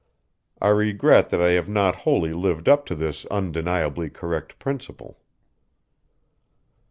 I regret that I have not wholly lived up to this undeniably correct principle."